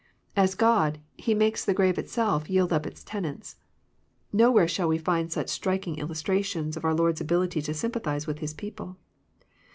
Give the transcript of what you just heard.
As God, He makes the grave itself yield up its tenants. — ^Nowhere shall we find such striking illustrar tions of oar Lord's ability to sympathize with His people.